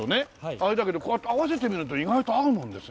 あれだけどこうやって合わせてみると意外と合うもんですね。